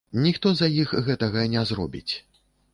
Ніхто за іх гэтага не зробіць.